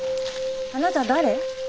あなた誰？